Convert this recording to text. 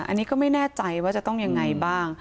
อันนี้ก็ไม่แน่ใจว่าจะต้องยังไงบ้าง